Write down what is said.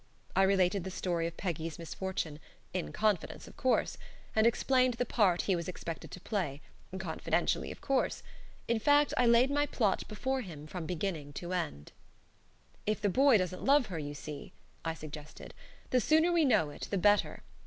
I related the story of Peggy's misfortune in confidence, of course; and explained the part he was expected to play confidentially, of course; in fact, I laid my plot before him from beginning to end. "If the boy doesn't love her, you see," I suggested, "the sooner we know it the better.